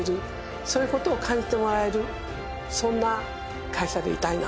そういう事を感じてもらえるそんな会社でいたいなと思ってます。